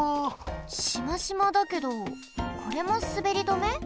しましまだけどこれもすべり止め？